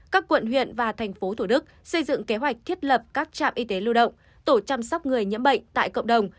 các quận huyện và thành phố thủ đức xây dựng kế hoạch thiết lập các trạm y tế lưu động tổ chăm sóc người nhiễm bệnh tại cộng đồng